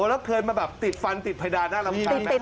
แล้วเคยมาแบบติดฟันติดผัดาน้ำไว้ไหม